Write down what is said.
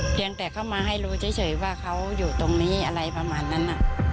เพียงแต่เข้ามาให้รู้เฉยว่าเขาอยู่ตรงนี้อะไรประมาณนั้น